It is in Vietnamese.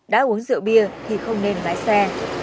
đã uống rượu bia thì không nên lái xe